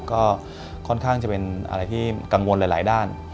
ก็ค่อนข้างจะเป็นอะไรที่กังวลหลายด้าน